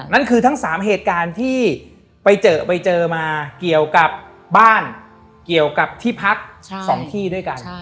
นั่นคือทั้ง๓เหตุการณ์ที่ไปเจอไปเจอมาเกี่ยวกับบ้านเกี่ยวกับที่พัก๒ที่ด้วยกัน